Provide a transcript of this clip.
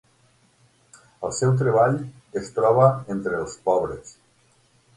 El seu treball es troba entre els pobres.